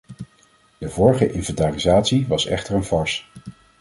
De vorige inventarisatie was echter een farce.